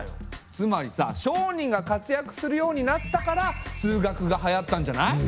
つまりさ商人がかつやくするようになったから数学がはやったんじゃない？